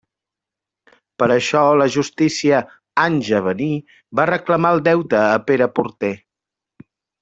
Per això la justícia, anys a venir, va reclamar el deute a Pere Porter.